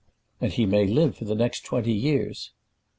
"And he may live for the next twenty years."